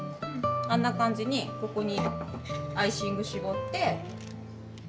あんな感じにここにアイシング絞って。